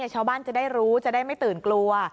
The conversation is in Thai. ชาวบ้านจะได้รู้จะได้ไม่ตื่นกลัว